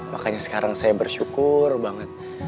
makanya sekarang saya bersyukur banget